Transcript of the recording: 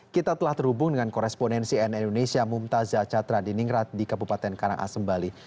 kita telah terhubung dengan korespondensi nn indonesia mumtazah catra di ningrat di kabupaten karangasem bali